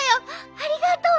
ありがとう。